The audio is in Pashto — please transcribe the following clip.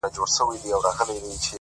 خپل ذهن د شک زندان مه جوړوئ.!